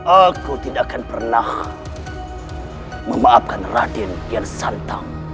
aku tidak akan pernah memaafkan raden kian santang